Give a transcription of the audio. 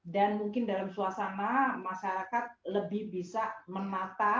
dan mungkin dalam suasana masyarakat lebih bisa menata